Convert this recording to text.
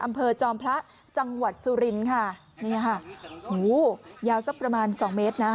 อำเภอจอมพระจังหวัดสุรินค่ะนี่ค่ะยาวสักประมาณ๒เมตรนะ